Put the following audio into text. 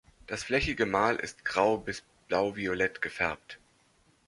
Das flächige Mal ist grau- bis blauviolett gefärbt.